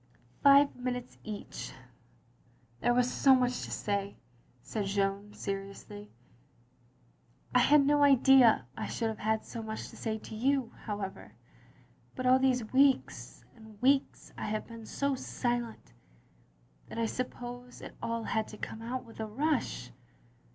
Five minutes each. There was so much to say, " said Jeanne, seriously. " I had no idea I should have had so much to say to you, however. But all these weeks and weeks I have been so silent that I suppose it all had to come out with a rush.